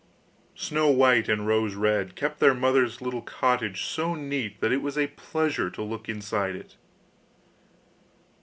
Snow white and Rose red kept their mother's little cottage so neat that it was a pleasure to look inside it.